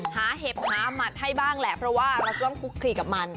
เห็บหาหมัดให้บ้างแหละเพราะว่าเราจะต้องคุกคลีกับมัน